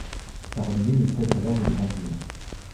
Sa renommée ne cesse alors de grandir.